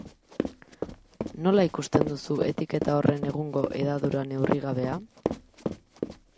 Nola ikusten duzu etiketa horren egungo hedadura neurrigabea?